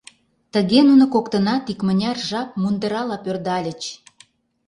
Тыге нуно коктынат икмыняр жап мундырала пӧрдальыч.